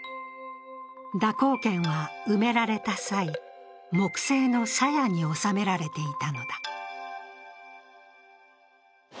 蛇行剣は埋められた際、木製のさやに納められていたのだ。